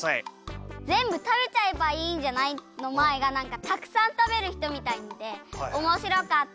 「ぜんぶたべちゃえばいいんじゃない」のまえがなんかたくさんたべるひとみたいでおもしろかった。